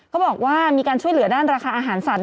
เขาบอกว่ามีการช่วยเหลือด้านราคาอาหารสัตว